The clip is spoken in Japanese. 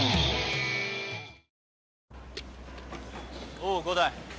おう伍代。